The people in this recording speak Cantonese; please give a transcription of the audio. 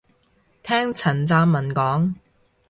聽陳湛文講